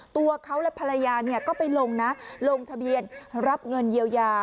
ตัวเขาและภรรยาก็ไปลงนะลงทะเบียนรับเงินเยียวยา